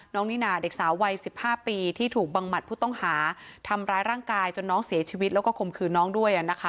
นิน่าเด็กสาววัย๑๕ปีที่ถูกบังหมัดผู้ต้องหาทำร้ายร่างกายจนน้องเสียชีวิตแล้วก็ข่มขืนน้องด้วยนะคะ